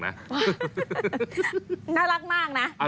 น่ารักมากนะ